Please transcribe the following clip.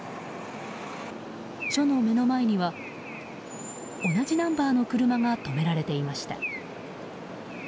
署の目の前には同じナンバーの車が止められていました。